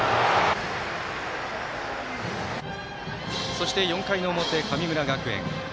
そして４回表、神村学園。